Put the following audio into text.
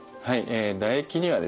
え唾液にはですね